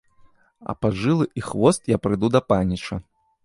А па жылы і хвост я прыйду да паніча.